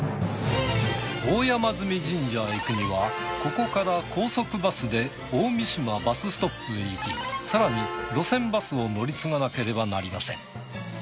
大山神社へ行くにはここから高速バスで大三島バスストップへ行き更に路線バスを乗り継がなければなりません。